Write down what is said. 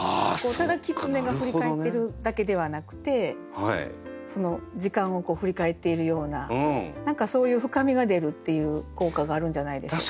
ただキツネが振り返ってるだけではなくて時間を振り返っているような何かそういう深みが出るっていう効果があるんじゃないでしょうか。